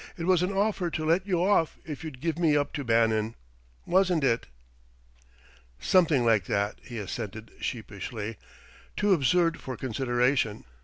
It was an offer to let you off if you'd give me up to Bannon wasn't it?" "Something like that," he assented sheepishly "too absurd for consideration....